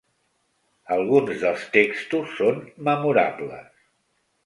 Alguns dels textos són memorables.